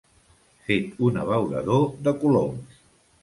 Fet un abeurador de coloms.